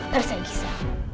dari segi saya